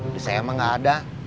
bisa emang gak ada